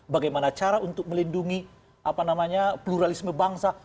bagaimana cara untuk melindungi pluralisme bangsa